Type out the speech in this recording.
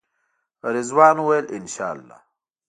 رضوان وویل انشاالله.